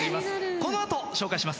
このあと紹介します。